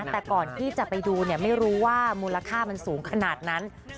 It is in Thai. แต่ก่อนที่จะไปดูไม่รู้ว่ามูลค่ามันสูงขนาดนั้น